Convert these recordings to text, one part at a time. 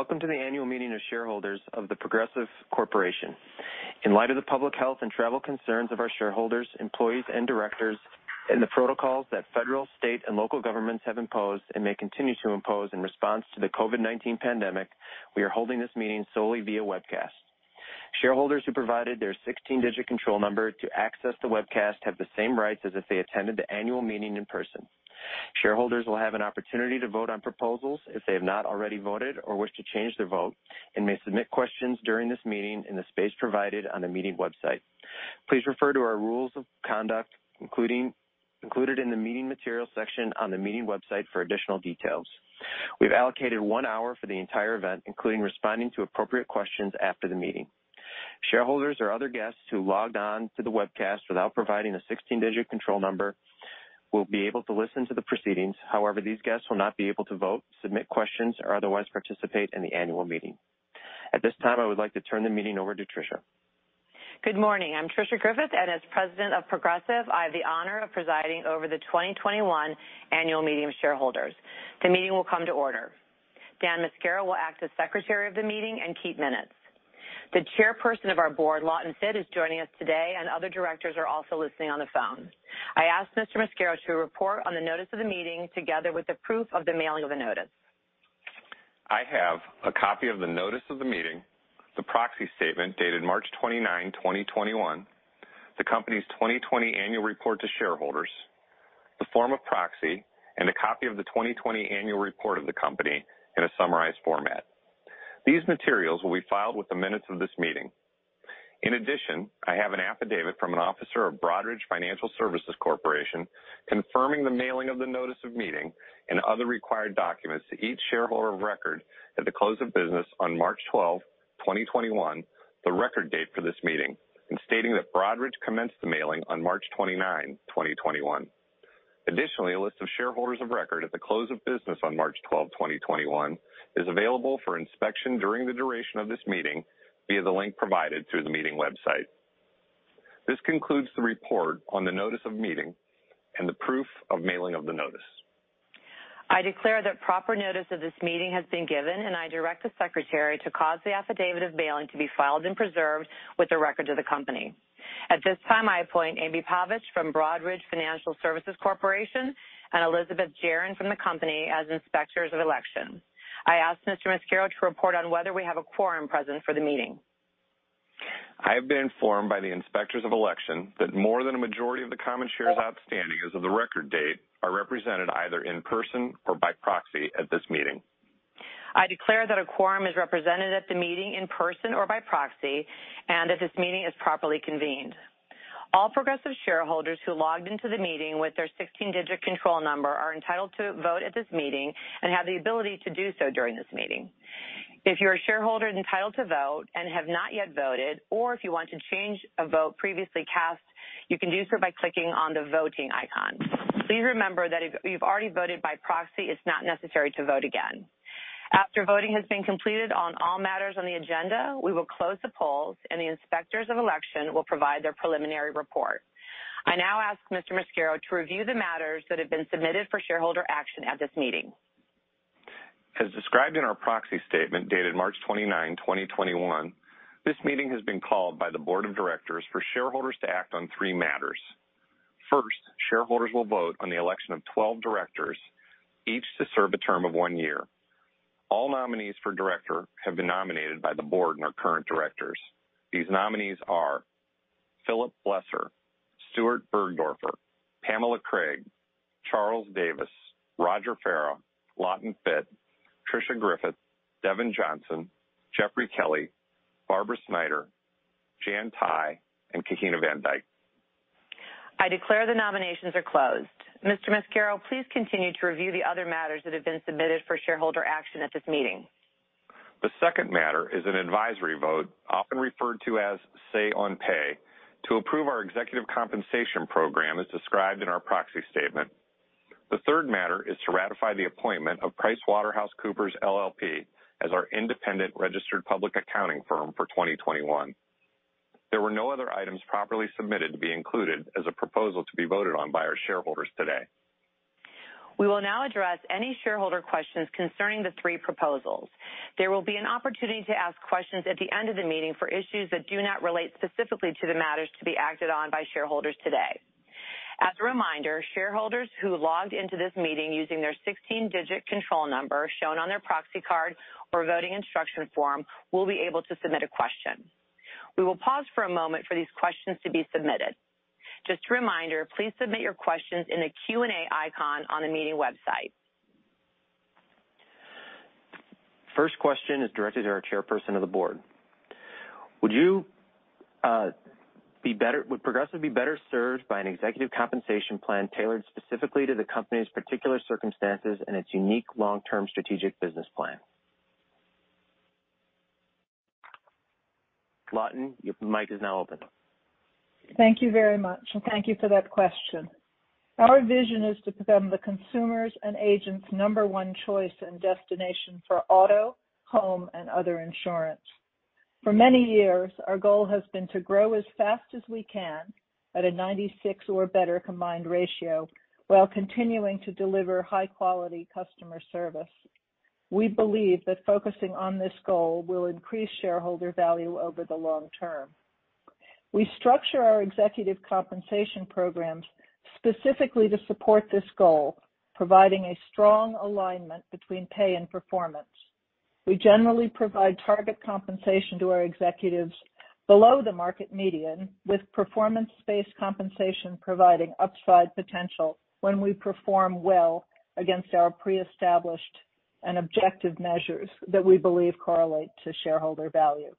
Welcome to the annual meeting of shareholders of The Progressive Corporation. In light of the public health and travel concerns of our shareholders, employees, and directors, and the protocols that federal, state, and local governments have imposed and may continue to impose in response to the COVID-19 pandemic, we are holding this meeting solely via webcast. Shareholders who provided their 16-digit control number to access the webcast have the same rights as if they attended the annual meeting in person. Shareholders will have an opportunity to vote on proposals if they have not already voted or wish to change their vote and may submit questions during this meeting in the space provided on the meeting website. Please refer to our rules of conduct, included in the meeting materials section on the meeting website for additional details. We've allocated one hour for the entire event, including responding to appropriate questions after the meeting. Shareholders or other guests who logged on to the webcast without providing a 16-digit control number will be able to listen to the proceedings. However, these guests will not be able to vote, submit questions, or otherwise participate in the annual meeting. At this time, I would like to turn the meeting over to Tricia. Good morning. I'm Tricia Griffith, and as president of Progressive, I have the honor of presiding over the 2021 annual meeting of shareholders. The meeting will come to order. Dan Mascaro will act as secretary of the meeting and keep minutes. The chairperson of our board, Lawton Fitt, is joining us today, and other directors are also listening on the phone. I ask Mr. Mascaro to report on the notice of the meeting, together with the proof of the mailing of the notice. I have a copy of the notice of the meeting, the proxy statement dated March 29, 2021, the company's 2020 annual report to shareholders, the form of proxy, and a copy of the 2020 annual report of the company in a summarized format. These materials will be filed with the minutes of this meeting. In addition, I have an affidavit from an officer of Broadridge Financial Solutions, Inc. confirming the mailing of the notice of meeting and other required documents to each shareholder of record at the close of business on March 12, 2021, the record date for this meeting, and stating that Broadridge commenced the mailing on March 29, 2021. Additionally, a list of shareholders of record at the close of business on March 12, 2021, is available for inspection during the duration of this meeting via the link provided through the meeting website. This concludes the report on the notice of meeting and the proof of mailing of the notice. I declare that proper notice of this meeting has been given. I direct the secretary to cause the affidavit of mailing to be filed and preserved with the records of the company. At this time, I appoint Amy Pavich from Broadridge Financial Solutions, Inc. and Elizabeth Jaron from the company as inspectors of election. I ask Mr. Mascaro to report on whether we have a quorum present for the meeting. I have been informed by the inspectors of election that more than a majority of the common shares outstanding as of the record date are represented either in person or by proxy at this meeting. I declare that a quorum is represented at the meeting in person or by proxy. This meeting is properly convened. All Progressive shareholders who logged into the meeting with their 16-digit control number are entitled to vote at this meeting and have the ability to do so during this meeting. If you're a shareholder entitled to vote and have not yet voted, or if you want to change a vote previously cast, you can do so by clicking on the voting icon. Please remember that if you've already voted by proxy, it's not necessary to vote again. After voting has been completed on all matters on the agenda, we will close the polls. The inspectors of election will provide their preliminary report. I now ask Mr. Mascaro to review the matters that have been submitted for shareholder action at this meeting. As described in our proxy statement dated March 29, 2021, this meeting has been called by the board of directors for shareholders to act on three matters. First, shareholders will vote on the election of 12 directors, each to serve a term of one year. All nominees for director have been nominated by the board and are current directors. These nominees are Philip Bleser, Stuart B. Burgdoerfer, Pamela J. Craig, Charles A. Davis, Roger N. Farah, Lawton W. Fitt, Tricia Griffith, Devin C. Johnson, Jeffrey D. Kelly, Barbara R. Snyder, Jan Tighe, and Kahina Van Dyke. I declare the nominations are closed. Mr. Mascaro, please continue to review the other matters that have been submitted for shareholder action at this meeting. The second matter is an advisory vote, often referred to as "say on pay," to approve our executive compensation program as described in our proxy statement. The third matter is to ratify the appointment of PricewaterhouseCoopers LLP as our independent registered public accounting firm for 2021. There were no other items properly submitted to be included as a proposal to be voted on by our shareholders today. We will now address any shareholder questions concerning the three proposals. There will be an opportunity to ask questions at the end of the meeting for issues that do not relate specifically to the matters to be acted on by shareholders today. As a reminder, shareholders who logged into this meeting using their 16-digit control number shown on their proxy card or voting instruction form will be able to submit a question. We will pause for a moment for these questions to be submitted. Just a reminder, please submit your questions in the Q&A icon on the meeting website. First question is directed to our Chairperson of the Board. Would Progressive be better served by an executive compensation plan tailored specifically to the company's particular circumstances and its unique long-term strategic business plan? Lawton, your mic is now open. Thank you very much. Thank you for that question. Our vision is to become the consumers' and agents' number one choice and destination for auto, home, and other insurance. For many years, our goal has been to grow as fast as we can at a 96 or better combined ratio while continuing to deliver high-quality customer service. We believe that focusing on this goal will increase shareholder value over the long term. We structure our executive compensation programs specifically to support this goal, providing a strong alignment between pay and performance. We generally provide target compensation to our executives below the market median, with performance-based compensation providing upside potential when we perform well against our pre-established and objective measures that we believe correlate to shareholder value.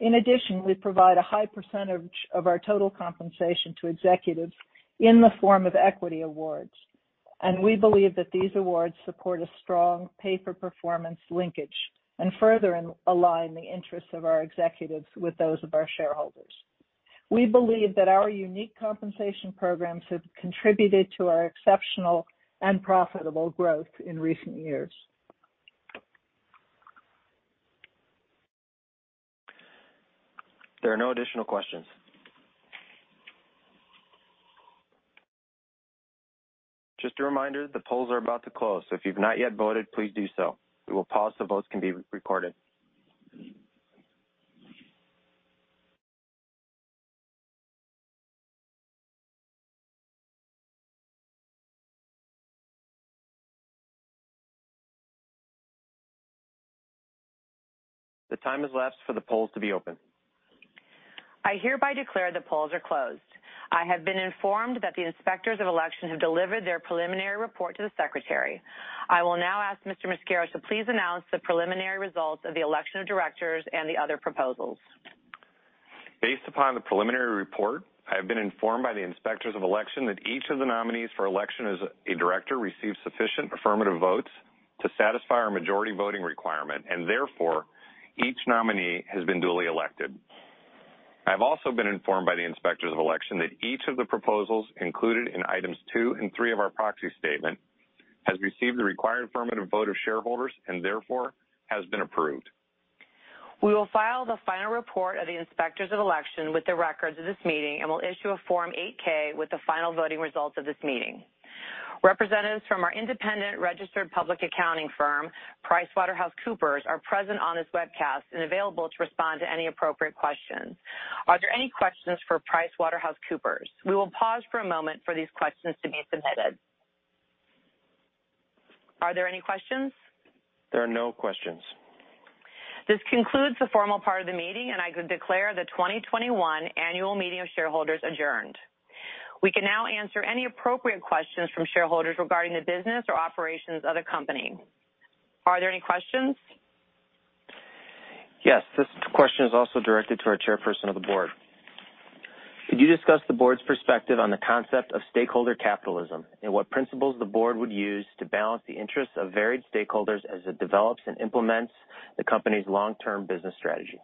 In addition, we provide a high percentage of our total compensation to executives in the form of equity awards. We believe that these awards support a strong pay-for-performance linkage and further align the interests of our executives with those of our shareholders. We believe that our unique compensation programs have contributed to our exceptional and profitable growth in recent years. There are no additional questions. Just a reminder, the polls are about to close. If you've not yet voted, please do so. We will pause so votes can be recorded. The time has lapsed for the polls to be open. I hereby declare the polls are closed. I have been informed that the Inspectors of Election have delivered their preliminary report to the Secretary. I will now ask Mr. Mascaro to please announce the preliminary results of the election of directors and the other proposals. Based upon the preliminary report, I have been informed by the Inspectors of Election that each of the nominees for election as a director received sufficient affirmative votes to satisfy our majority voting requirement, and therefore, each nominee has been duly elected. I have also been informed by the Inspectors of Election that each of the proposals included in items two and three of our proxy statement has received the required affirmative vote of shareholders and therefore has been approved. We will file the final report of the Inspectors of Election with the records of this meeting and will issue a Form 8-K with the final voting results of this meeting. Representatives from our independent registered public accounting firm, PricewaterhouseCoopers, are present on this webcast and available to respond to any appropriate questions. Are there any questions for PricewaterhouseCoopers? We will pause for a moment for these questions to be submitted. Are there any questions? There are no questions. This concludes the formal part of the meeting. I declare the 2021 annual meeting of shareholders adjourned. We can now answer any appropriate questions from shareholders regarding the business or operations of the company. Are there any questions? Yes. This question is also directed to our Chairperson of the Board. Could you discuss the board's perspective on the concept of stakeholder capitalism and what principles the board would use to balance the interests of varied stakeholders as it develops and implements the company's long-term business strategy?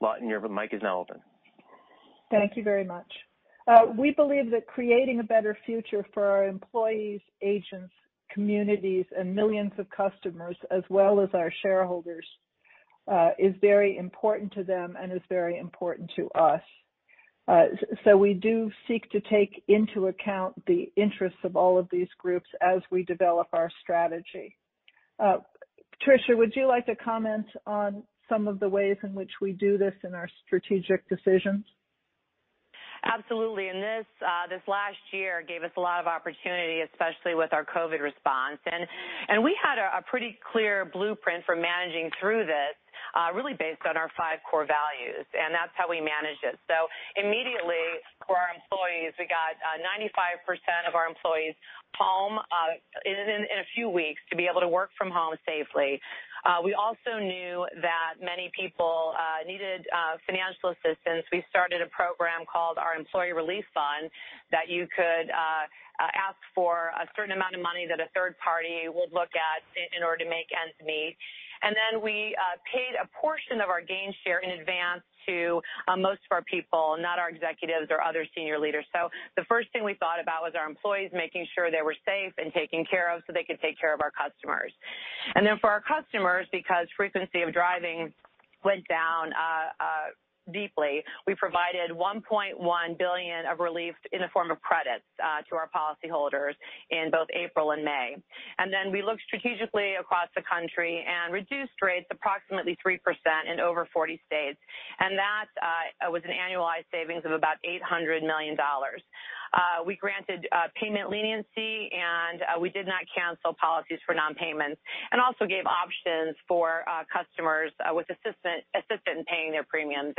Lawton, your mic is now open. Thank you very much. We believe that creating a better future for our employees, agents, communities, and millions of customers, as well as our shareholders, is very important to them and is very important to us. We do seek to take into account the interests of all of these groups as we develop our strategy. Tricia, would you like to comment on some of the ways in which we do this in our strategic decisions? Absolutely. This last year gave us a lot of opportunity, especially with our COVID response. We had a pretty clear blueprint for managing through this, really based on our five core values, and that's how we managed it. Immediately for our employees, we got 95% of our employees home in a few weeks to be able to work from home safely. We also knew that many people needed financial assistance. We started a program called our Employee Relief Fund, that you could ask for a certain amount of money that a third party would look at in order to make ends meet. Then we paid a portion of our Gainshare in advance to most of our people, not our executives or other senior leaders. The first thing we thought about was our employees, making sure they were safe and taken care of so they could take care of our customers. For our customers, because frequency of driving went down deeply, we provided $1.1 billion of relief in the form of credits to our policyholders in both April and May. We looked strategically across the country and reduced rates approximately 3% in over 40 states, and that was an annualized savings of about $800 million. We granted payment leniency, and we did not cancel policies for non-payments and also gave options for customers with assistance paying their premiums.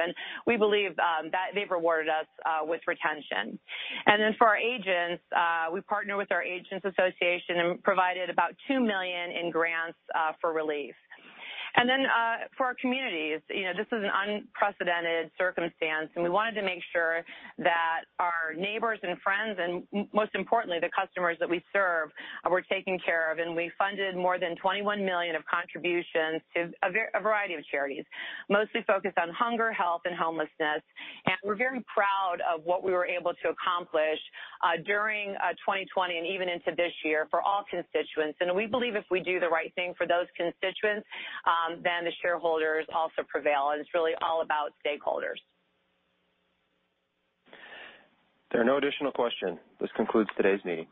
We believe that they've rewarded us with retention. For our agents, we partnered with our agents' association and provided about $2 million in grants for relief. For our communities, this is an unprecedented circumstance, and we wanted to make sure that our neighbors and friends, and most importantly, the customers that we serve, were taken care of. We funded more than $21 million of contributions to a variety of charities, mostly focused on hunger, health, and homelessness. We're very proud of what we were able to accomplish during 2020 and even into this year for all constituents. We believe if we do the right thing for those constituents, then the shareholders also prevail, and it's really all about stakeholders. There are no additional questions. This concludes today's meeting.